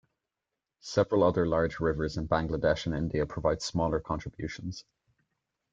Several other large rivers in Bangladesh and India provide smaller contributions.